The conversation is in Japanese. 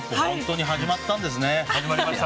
本当に始まったんですね。